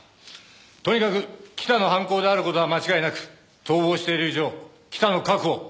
とにかく北の犯行である事は間違いなく逃亡している以上北の確保